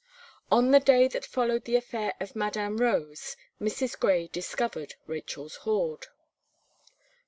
On the day that followed the affair of Madame Rose, Mrs. Gray discovered Rachel's board.